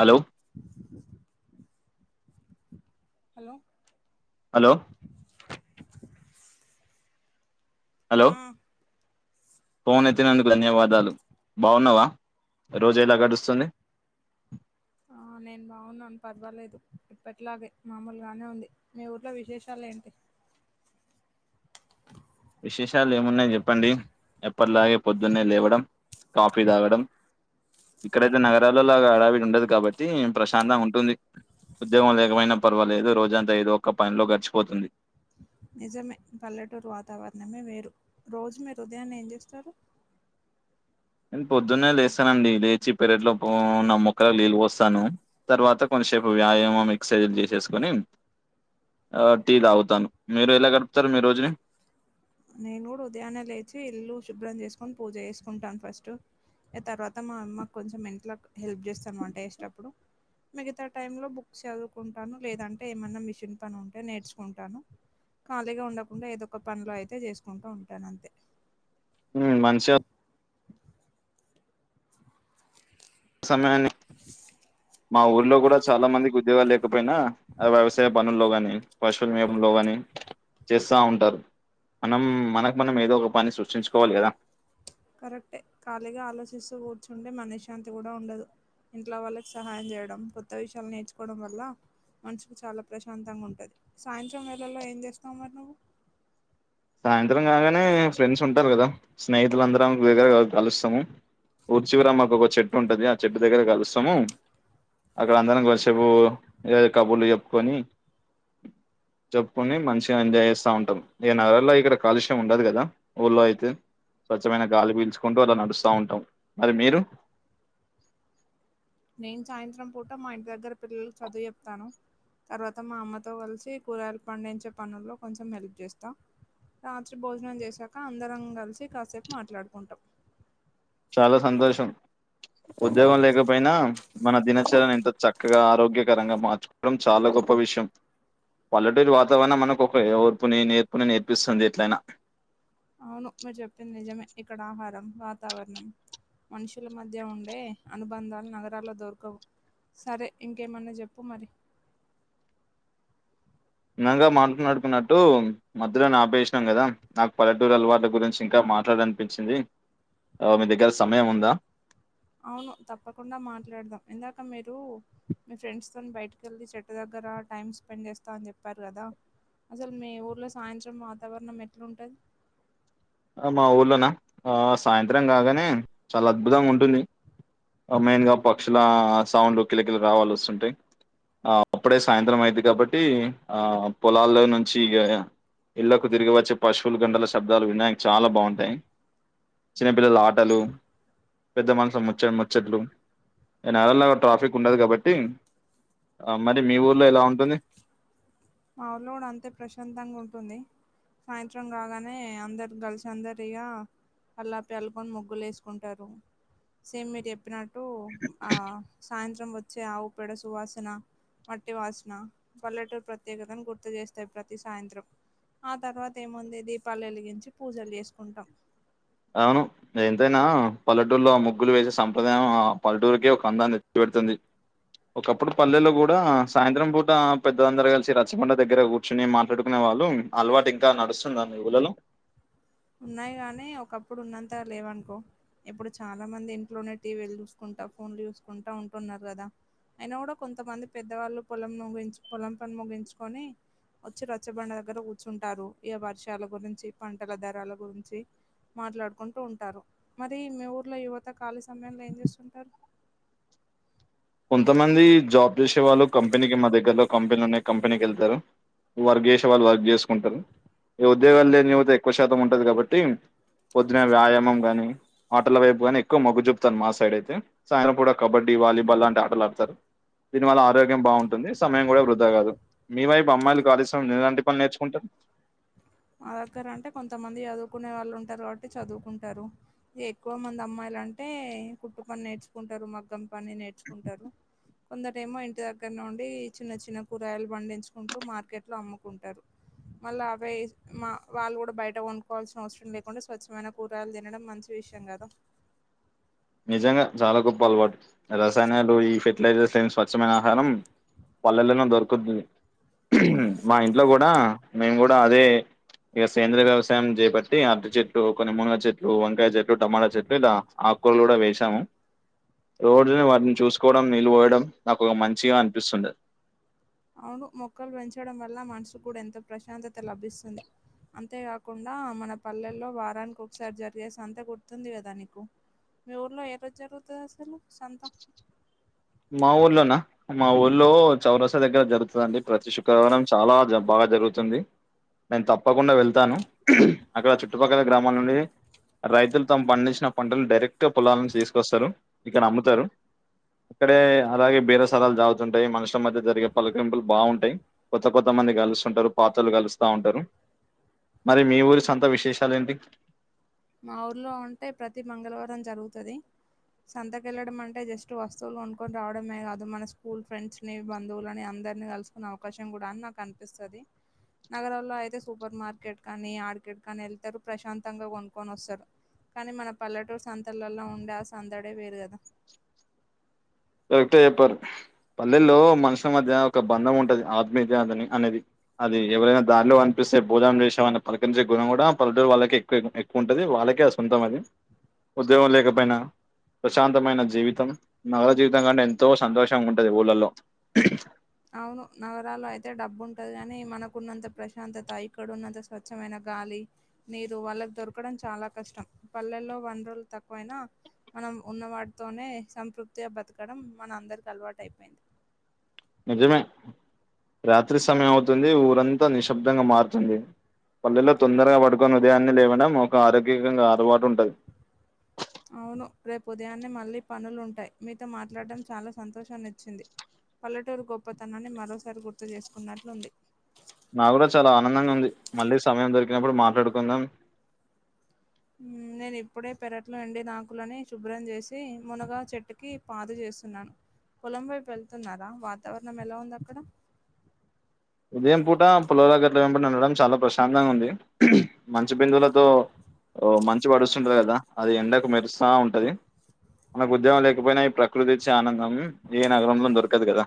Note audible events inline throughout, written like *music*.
Hello hello hello hello ఉ phone ఎతినందుకు ధన్యవాదాలు బావున్నావా రోజు ఎలా గడుస్తుంది *unintelligible* ఆ నేను బాగున్నాను పర్వాలేదు ఇప్పటిలాగే మామూలుగానే ఉంది మీ ఊర్లో విశేషాలు ఏంటి *unintelligible* విశేషాలు ఏమున్నాయని చెప్పండి ఎప్పటిలాగే పొద్దున్నే లేవడం కాఫీ తాగడం ఇక్కడైతే నగరాల లాగా అడావిడి ఉండదు కాబట్టి ప్రశాంతంగా ఉంటుంది ఉద్యోగం లేకపోయినా పర్వాలేదు రోజంతా ఏదో ఒక్క పనిలో గడిచిపోతుంది నిజమే పల్లెటూరు వాతావరణమే వేరు రోజు మీరు ఉదయాన్నే ఏం చేస్తారు *unintelligible* నేను పొద్దున్నే లేస్తానండి లేచి పెరట్లో పో నా ముొక్కల నీళ్ళ పోస్తాను తర్వాత కొంచ శిపు వ్యాయామం ఎక్ససైజలు చేసేసుకొని ఆ టీ తాగుతాను మీరు ఎలా గడుపుతారు మీ రోజుని నేను కూడా ఉదయానే లేచి ఇల్లు శుభ్రం చేసుకొని పూజ చేసుకుంటాను ఫస్ట్ ఇగ తర్వాత మా అమ్మ కొంచెం ఇంట్లో హెల్ప్ చేస్తాను వంట చేసేటపుడు మిగతా టై లో బుక్స్ చదువుకుంటాను లేదంటే ఏమన్నా మిషన్ పని ఉంటే నేర్చుకుంటాను ఖాళీగా ఉండకుండా ఏదో ఒక పనిల అయితే చేసుకుంటూ ఉంటాను అంతే ఉ మంష సమయాన్ని *inaudible* మా ఊర్లో కూడా చాలా మందికి ఉద్యోగాలు లేకపోయినా వ్యవసాయ పనుల్లో గాని పశువుల మపంలో గాని చేస్తా ఉంటారు మనం మనకు మనం ఏదో ఒక పని సృష్టించుకోవాలి కదా కరెక్టే ఖాళీగా ఆలోచిస్తూ కూర్చుంటే మనశ్శాంతి కూడా ఉండదు ఇంట్లో వాళ్ళకి సహాయం చేయడం కొత్త విషయా నేర్చుకోవడం వల్ల మనసుకు చాలా ప్రశాంతంగా ఉంటది సాయంత్రం వేళలో ఏం చేస్తావు మరి నువ్వు సాయంత్రం కాగానే ఫ్రెండ్స్ ఉంటారు కదా స్నేహితులందరం వేరేగా కలుస్తాము ఉరిచివర మాకు ఒక చెట్టు ఉంటది ఆ చెట్టు దగ్గర కలుస్తాము అక్కడ అందరం కొంతసేపు ఏ కబుర్లు చెప్పుకొని చెప్పుకుని మంచిగా ఎంజాయ్ చేస్తా ఉంటాం నగర లో ఇక్కడ కాలుష్యం ఉండదు కదా ఊర్లో అయితే స్వచ్ఛమైన గాలి పీల్చుకుంటూ అలా నడుస్తా ఉంటాం మరి మీరు నేను సాయంత్రం పూట మా ఇంటి దగ్గర పిల్లలకు చదువు చెప్తాను తర్వాత మా అమ్మతో కలిసి కూరగాయాలు పండించే పనుల్లో కొంచెం హెల్ప్ చేస్తాం రాత్రి భోజనం చేసాక అందరం కలిసి కాసేపు మాట్లాడుకుంటాం చాలా సంతోషం ఉద్యోగం లేకపోయినా మన దినచర్యను ఎంత చక్కగా ఆరోగ్యకరంగా మార్చుకోవడం చాలా ఉప్ప విషం పల్లెటూరి వాతావరణం మనకు ఒక ఓర్పుని నేర్పుని నేర్పిస్తుంది ఎట్లయినా అవును మీరు చెప్పింది నిజమే ఇక్కడ ఆహారం వాతావరణం మనుషుల మధ్య ఉండే అనుబంధాలు నగరాల్లో దొరకవు సరే ఇంకేమన్న చెప్పు మరి *unintelligible* ఇందాకనే మాట్లాడుకున్నట్టు మధ్యలోనే ఆపేసినాం కదా నాకు పల్లెటూరి అలవాట్ల గురించి ఇంకా మాట్లాడాలనిపించింది ఆ మీ దగ్గర సమయం ఉందా అవును తప్పకుండా మాట్లాడదాం ఇందాక మీరు మీ ఫ్రెండ్స్ తోని బయటికి వెెళ్ళి చెట్టు దగ్గర టైమ్ స్పెండ్ చేస్తా అని చెప్పారు కదా అసలు మీ ఊర్లో సాయంత్రం వాతావరణం ఎట్లుంటది మా ఊర్లోనా ఆ సాయంత్రం కాగానే చాలా అద్భుతంగా ఉంటుంది మెయిన్ గా పక్షుల సౌండ్లు కిలకిల రావాలు వస్తుంటయి ఆ అప్పుడే సాయంత్రం అయిద్ది కాబట్టి ఆ పొలాల్లో నుంచి ఇగ ఇళ్లకు తిరిగి వచ్చే పశువులు గండల శబ్దాలు వినడానికి చాలా బాగుంటాయి చిన్నపిల్లల ఆటలు పెద్ద మనుషుల ముచ్చ ముచ్చట్లు ఇగ నగరంలాగ ట్రాఫిక్ ఉండదు కాబట్టి ఆ మరి మీ ఊర్లో ఎలా ఉంటుంది మా ఊర్లో కూడా అంతే ప్రశాంతంగా ఉంటుంది సాయంత్రం కాగానే అందరు గర్ల్ అందరిగా కళ్ళాపి చల్లుకొని ముగ్గులు వేసుకుంటరు సేమ్ మీరు చెప్పినట్ ట్టు ఆ సాయంత్రం వ చ్చే ఆవు పెడ సువాసన మట్టి వాసన పల్లెటూరి ప్ర ప్రత్యేకతను గుర్తు చేస్తాయి ప్రతి సాయంత్రం ఆ తర్వాత ఏముంది దీపాలు వెలిగించి పూజలు చేసుకుంటాం అవును ఎంతైనా పల్లెటూరులో ఆ ముగ్గులు వేసే సంప్రదాయం ఆ పల్లెటూరికి ఒక అందాన్ని తెచ్చి పడుతుంది ఒకప్పుడు పల్లెలో కూడా సాయంత్రం పూట పెద్దలందరూ కలిసి రచ్చబండ దగ్గర కూర్చుని మాట్లాడుకునే వాళ్ళు అలవాటు ఇంకా నడుస్తుందా మీ ఊర్లలో ఉన్నాయి గాని ఒకప్పుడు ఉన్నంత లేవనుకో ఇప్పుడు చాలా మంది ఇంట్లోనే టీవీలు చూసుకుంట ఫోన్లు చూసుకుంట ఉంటున్నరు కదా అయినా కూడా కొంతమంది పెద్దవాళ్ళు పొలం ముగించు పొలం పని ముగించుకొని వచ్చి రచ్చబండ దగ్గర కూర్చుంటారు ఇగ వర్షాల గురించి పంటల ధరల గురించి మాట్లాడుకుంటూ ఉంటారు మరి మీ ఊర్లో యువత ఖాళీ సమయంలో ఏం చేస్తుంటారు *inaudible* కొంతమంది *unintelligible* కంపెనీకి మద్దతు దగ్గర లో ఒక కంపెనీ ఉన్నది కంపెనీకి వెళ్తరు వర్క్ చేసే వాళ్ళు వర్క్ చేసుకుంటరు ఇగ ఉద్యోగం లేని యువత ఎక్కువ శాతం ఉంటది కాబట్టి పొద్దున వ్యాయామం గానీ ఆటల వైపుగాని ఎక్కువ మొగ్గు చూపుతారు మా సైడ్ అయితే సాయంత్రం కూడా కబడ్డీ వాలీబాల్ లాంటి ఆటలు ఆడతారు దీని వల్ల ఆరోగ్యం బాగుంటుంది సమయం కూడా వృధా కాదు మీ వైపు అమ్మాయిలు ఖాళీ సమయంలో ఎలాంటి పనులు నేర్చుకుంటారు *inaudible* మా దగ్గర అంటే కొంతమంది చదువుకునే వాళ్ళు ఉంటరు కాబట్టి చదువుకుంటరు ఇగ ఎక్కువ మంది అమ్మాయిలు అంటే కుట్టు పని నేర్చుకుంటరు మగ్గం పని నేర్చుకుంటరు కొందరేమో ఇంటి దగ్గర నుండి చిన్న చిన్న కూరగాయలు పండించుకుంటూ మార్కెట్లో అమ్ముకుంటారు మళ్ళా అవే మా వాళ్ళు కూడా బయట కొనుక్కోవాల్సిన అవసరం లేకుండ స్వచ్ఛమైన కూరగాయలు తినడం మంచి విషయం కదా నిజంగా చాలా గొప్ప అలవాట్ రసాయనాలు ఈ ఫెట్ ట్లైజెస్తేన్ స్వచ్ఛమైన ఆహారం పల్లెల్లోనే దొరుకుంది. మా ఇంట్లో గూడా మీ గూడా అదే ఇగా సేంద్రయ వ్యవసాయం జేబ్బటి అర్ధ చెట్టు, కొన్ని మునుగ చెట్లు, వంకాయ చెట్టు, టమాటా చెప్పతే ఇలా ఆక్ కోల్ గూడా వేషాము. రోడ్ని వాటిని చూసుకోవడం నీళ్లు వోయడం నాకు మంచిగా అనిపిస్తుండద్. అవును మొక్కలు వెంచడం వల్ల మనసు కూడా ఎంత ప్రశాంతత లభిసుంది. అంతేకాకుండా మన పల్లెల్లో వారానికి ఒకసారి జరిగేసి అంతా గుర్తుంది కదా నీకు మీ ఊర్లో ఏ రోజు జరుగుతది అసలు సంత మా ఓలానా అన్ మా ఊళ్లో చౌరస దగ్గర జరుగుతదండి, ప్రతి శుక్రవారం చాలా జాబ్ బాగా జరుగుతుంది. నేన్ తప్పకుండా వెళ్తాను అక్కడ చుట్టుపక్కల గ్రామాల నుండి రైతులు తమ్ పండించిన పంటలు డైరెటుగా పొలాల నుచి తీసుకొస్తారు ఇక్కడ అమ్ముతరు. ఇక్కడే అలాగే బీరసలాలు జాగుతుంటాయి మనుషం మధ్య జరిగే పలకరింపులు బావుంటాయ్ కొత్త కొత్త మ ఇందా గలుస్తుంటారు. పాతోల్ గలుస్తావుంటారు. మరి మీ ఊరి సొంత విశేషాలు ఏంటి. మా ఊర్లో ఉంటే ప్రతి మంగళవారం జరుగుతది. సంతక్ ఏళ్లడం అంటే జస్ట్ వస్తువులు కొనుకోన్ రావడమే కాదు, మన స్కూల్ ఫ్రెండ్స్ ని బంధువులని అన్ అందరిని కలుసుకునే అవకాశం గూడా అని నాకు అనిపిస్తది. నగరంలో అయితే సూపర్ మార్కెట్ అనీ ఆర్కెట్ అని ఏళ్తారు ప్రశాంతంగా గొన్ కొనొస్తరు. కానీ మన పల్లెటూరు సంతలలో ఉండే ఆ సందడే వేరు గదా. టేపర్ పల్లెల్లో మనుషుల మధ్య ఒక బంధం ఉంటది. ఆత్మీత్యాదాత అని అనేది అది ఎవరైనా దారిలో అనపి సేబుదాం రేషవన్ అన్న పలకరించే గుణం గూడా, పల్లెటూరు వాళ్ళకే ఎక్కువ్ ఎక్కువ ఉంటది. వాళ్ళకే అద్ సొంతం అది. ఉద్యోగం లేకపోయినా ప్రశాంతమైన జీవితం నావత్ జీవితం కంటే ఎంతో సంతోషంగా ఉంటది ఊళ్ళలో అవును నగరాల్లో అయితే డబ్బు ఉంటది కాని మనకున్నంత ప్రశాంతతా ఇక్కడ ఉన్నంత స్వచ్ఛమైన గాలి నీరు వాళ్ళకు దొరకడం చాలా కష్టం పల్లెల్లో వనరులు తక్కువైనా మనం ఉన్నవాటితోనే సంతృప్తిగా బతకడం మన అందరికి అలవాటు అయిపోయింది. నిజమే రాత్రి సమయం అవుతుంది. ఊరంతా నిశ్శబ్దంగా మారుతుంది. పల్లెలో తొందరగా పడుకొని ఉదయాన్నే లేవడం, ఒక ఆరోగ్యంగా అలవాటు ఉంటది. అవును, రేపు ఉదయాన్నే మళ్ళీ పనులుంటాయ్. మీతో మాట్లాడటడం చాలా సంతోషాన్నిచ్చింది. పల్లటూరు గొప్పతనాన్ని మరోసారి గుర్తు చేసుకున్నట్లుంది. నా గూడా చాలా ఆనందంగా ఉంది. మళ్ళీ సమయం దొరికినప్పుడు మాట్లాడుకుందాం. హుహ్ నేను ఇప్పుడే పెరట్లో ఎండేది ఆకులని శుభ్రం జేచి మునగా చెట్టుకి పాదు జే కూసున్నం. పొలం వైపు వెళ్తున్నారా వాతావరణం ఎలా ఉంది అక్కడ ఉదయం పూట పులాల గడ్ల ఎబ్బటి నడవడం చాలా ప్రశాంతంగా ఉంది. మంచి బిందువులతో ఓ మంచి వడుస్తుంటది గదా అది ఎండకు మెరుస్తా ఉంటది. మనకు ఉద్యోగం లేకపోయినా ఈ ప్రకృతి ఇచ్చే ఆనందం, ఏ నగరంలో దొరకదు గదా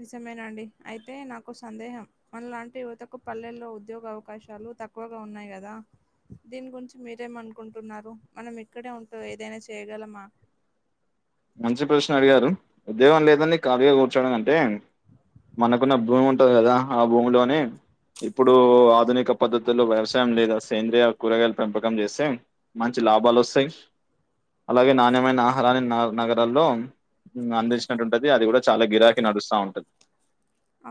నిజమేనండి అయితే నాకు ఓ సందేహం మనలాంటి యువతకు పల్లెల్లో ఉద్యోగ అవకాశాలు. చు తక్కువగా ఉన్నాయి గదా దీని గురించి మీరేం అనుకుంటున్నారు మనం ఇక్కడే ఉంట ఏదైనా చే చేయగలమా మంచి ప్రశ్న అడిగారు. ఉద్యోగం లేదని ఖాళీగా కూర్చోడం గంటే మనకున్న భూమి ఉంటది కదా ఆ భూమిలోని ఇప్పుడు ఆధునిక పద్ధతులో వ్యవసాయం లేదా సేంద్రియ కూరగాయలు పెంపకం చేస్తే మంచి లాబాలు వస్తాయి అలాగే నాణ్యమైన ఆహారాన్నీ నగరాల్లో అందించినట్టు ఉంటది అది కూడా చాలా గిరాకీ నడుస్తా ఉంటది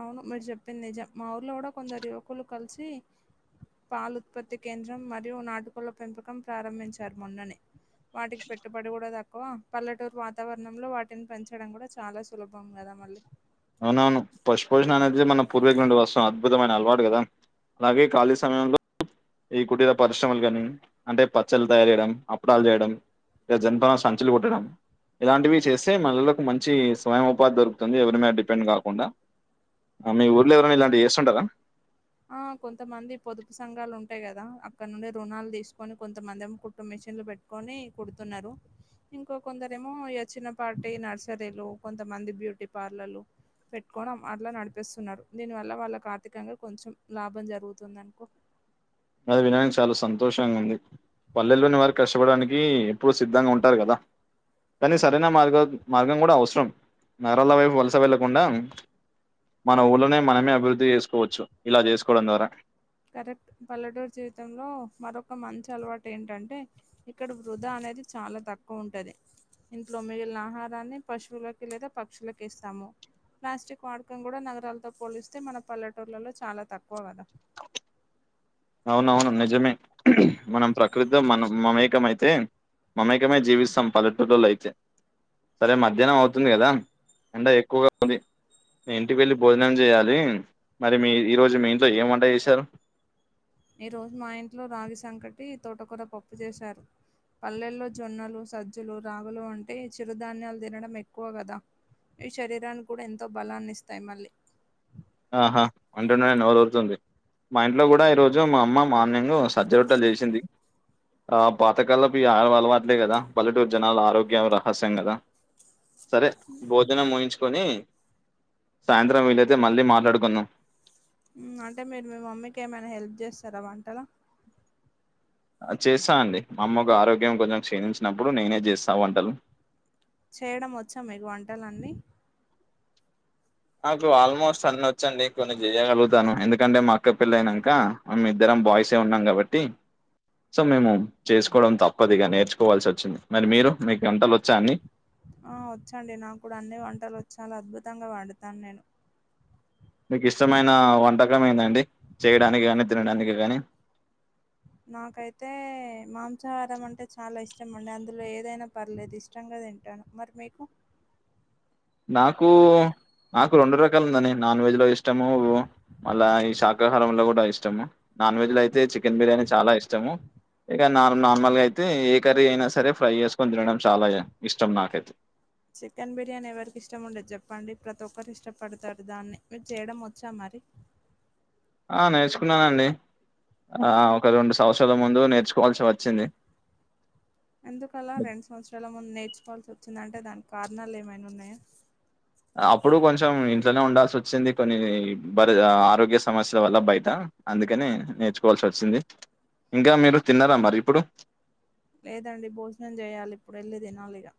అవును మీరు చెప్పింది నిజం మా ఊర్లో కూడా కొందరు యువకులు కలిసి పాలు ఉత్పత్తి కేంద్రం మరియు నాటుకోళ్ళ పెంపకం ప్రారంభించారు మొన్ననే వాటికి పెట్టుబడి కూడా త ఓ పల్లెటూరు వాతావరణంలో వాటిని పెంచడం కూడా చాలా సులభం కదా మళ్ళీ అవునవును పశుపోషణ అనేది మన పూర్వీకుల నుండి వస్తున్న అద్భుతమైన అలవాటు కదా అలాగే ఖాళీ సమయంలో ఈ కుటీర పరిశ్రమలు కాని అంటే పచ్చళ్లు తయారు చేయడం అప్పడాలు చేయడం ఏ జన్ప సంచులు కుట్టడం ఇలాంటివి చేస్తే మహిళలకు మంచి స్వయం ఉపాధి దొరుకుతుంది ఎవరి మీద డిపెండ్ పెండ్ కాకుండా మీ ఊర్లో ఎవరైనా ఇలాంటివి చేస్తుంటారా ఆ కొంతమంది పొదుపు సంఘాలు ఉంటాయి కదా అక్కడ నుండి రుణాలు తీసుకొని కొంతమంది ఏమో కుట్టు మిషన్ న్లు పెట్టుకొని కుడుతున్నారు ఇంకా కొందరేమో ఇగ చిన్న పాటి నర్సరీలు కొంతమంది బ్యూటీ పార్లలు పెట్టుకోవడం అట్లా నడిపిస్తున్నారు దీని వల్ల వాళ్ళకి ఆర్థికంగా కొంచెం లాభం జరుగుతుంది అనుకో అది విడానికి చాలా సంతోషంగా ఉంది పల్లెల్లోని వారు కష్టపడానికి ఎప్పుడు సిద్ధంగా ఉంటారు కదా కానీ సరైన మార్గ మార్గం కూడా అవసరం నరళ వైపు వలస వెళ్ళకుండా మన ఊళ్ళనే మనమే అభివృద్ధి చేసుకోవచ్చు ఇలా చేసుకోవడం ద్వారా కరెక్ట్ పల్లెటూరు జీవితంలో మరొక మంచి అలవాటు ఏంటంటే ఇక్కడ వృధా అని అనేది చాలా తక్కువ ఉంటది ఇంట్లో మిగిలిన ఆహారాన్ని పశువులకి లేదా పక్షులకి వేస్తాము ప్లాస్టిక్ వాడకం కూడా నగరాలతో పోలిస్తే మన పల్లెటూర్లలో చాలా తక్కువ కదా అవునవును నిజమే మనం ప్రకృతి మనం మమేకం అయితే మమేకమై జీవిస్తాం పల్లెటూర్లలో అయితే సరే మధ్యాహ్నం అవుతుంది కదా ఎండ ఎక్కువగా ఉంది నేను ఇంటికి వెళ్ళి భోజనం చేయ్యాలి మరి మీ ఈ రోజు మీ ఇంట్లో ఏం వంట చేశారు ఈ రోజు మా ఇంట్లో రాగి సంకటి తోటకూర పప్పు చేశారు పల్లెల్లో జొన్నలు సజ్జులు రాగులు అంటే చిరుధాన్యాలు తినడం ఎక్కువ కదా ఇవి శరీరానికి కూడా ఎంతో బలాన్ని ఇస్తాయి మళ్ళీ ఆహా అంటెనే నోరూరుతుంది మా ఇంట్లో కూడా ఈరోజు మా అమ్మ మార్నింగ్ సజ్జరొట్టె చేసింది ఆ పాతకాలపు ఆహార అలవాట్లే కదా పల్లెటూరు జనాల ఆరోగ్య రహస్యం కదా సరే భోజనం ముగించుకొని సాయంత్రం వీలైతే మళ్ళీ మాట్లా డు అంటే మీరు మీ మమ్మీకి ఏమైనా హెల్ప్ చేస్తారా వంటలు చేస్తా అండి మా అమ్మకు ఆరోగ్యం కొంచెం క్షీణించినప్పుడు నేనే చేస్తా వంటలు చేయడం వచ్చా మీకు వంటలన్నీ నాకు ఆల్మోస్ట్ అన్ని వచ్చండి కొన్ని చేయగలుగుతాను ఎందుకంటే మా అక్క పెళ్లి అయినాక మేము ఇద్దరం బాయ్స్ ఉన్నాం కాబట్టి సో మేము చేసుకోవడం తప్పదిగా నేర్చుకోవాల్సి వచ్చింది మరి మీరు మీకు వంటలు వచ్చా అన్ని ఆ వచ్చండి నా కూడా అన్ని వంటలు చాలా అద్భుతంగా వండుతాను నేను మీకు ఇష్టమైన వంటకం ఏందండి చేయడానికి కాని తినడానికి కానీ నాకైతే మాంసాహారం అంటే చాలా ఇష్టం అండి అందులో ఏదైనా పర్లేదు ఇష్టం గా తింటాను మరి మీకు నాకు నాకు రెండు రకాలు ఉందాండి నాన్ వెజ్ లో ఇష్టము మళ్ళా ఈ శాకాహారం లో కూడా ఇష్టము నాన్ వెజ్ లో అయితే చికెన్ బిర్యాని చాలా ఇష్టము. ఇగా నార్ నార్మల్ గా అయితే ఏ కర్రీ అయినా సరే ఫ్రై చేసుకొని తినడం చాలా ఇష్టం నాకైతే చికెన్ బిర్యానీ ఎవరికి ఇష్టం ఉండదు చెప్పండి. ప్రతి ఒక్కరు ఇష్టపడతారు. దాన్నే మీరు చేయడం వోచ్చా మరి ఆ నేర్చుకున్నానండి. ఆ ఒక రెండు సంవత్సరాల ముందు నేర్చుకోవాల్సి వచ్చింది. ఎందుకలా రెండు సంవత్సరాల ముందు నేర్చుకోవాల్సి వచ్చిందంటే దానికి కారణాలు ఏమైనా ఉన్నాయా అప్పుడు కొంచెం ఇంట్లోనే ఉండాల్సి వో. కొన్నిరి ఆరోగ్య సమస్యల వల్ల బయట అందుకని నేర్చుకోవాల్సి వచ్చింది. ఇంకా మీరు తిన్నారా మరి ఇప్పుడు లేదండి భోజనం చేయాలి ఇప్పుడు ఏళ్ళి తినాలిగా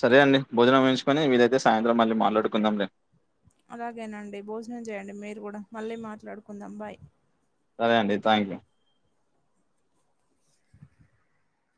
సరే అండి భోజనం వేయించుకొని వీలైతే సాయంత్రం మళ్ళీ మాట్లాడుకుందాంలే అలాగేనండి భోజనం చేయండి మీరు కూడా మళ్ళీ మాట్లాడుకుందాం బాయ్ సరే అండి థ్యాంక్ యూ